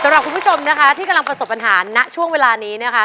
สำหรับคุณผู้ชมนะคะที่กำลังประสบปัญหาณช่วงเวลานี้นะคะ